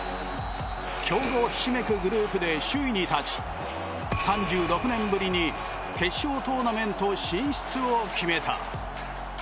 強豪ひしめくグループで首位に立ち３６年ぶりに決勝トーナメント進出を決めた。